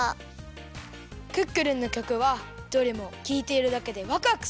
クックルンのきょくはどれもきいているだけでワクワクするね。